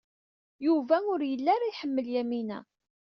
Yuba ur yelli ara iḥemmel Yamina.